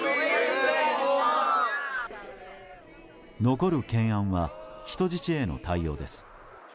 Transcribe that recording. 残る懸案は人質への対応です。